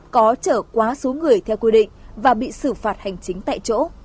có trở quá số người theo quy định và bị xử phạt hành chính tại chỗ